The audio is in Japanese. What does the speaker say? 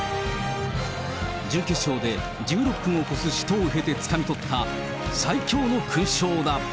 準決勝で１６分を超す死闘を経てつかみ取った最強の勲章だ。